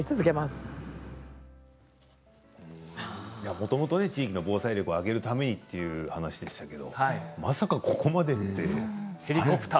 もともと地域の防災力を上げるためにという話でしたけどまさかここまでね。